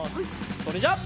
それじゃあ。